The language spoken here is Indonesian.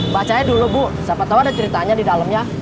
bacanya dulu bu siapa tahu ada ceritanya di dalamnya